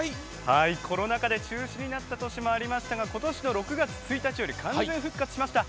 コロナ禍で中止になった年もありましたが今年の６月１日より完全復活しました。